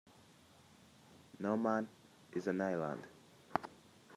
No man is an island.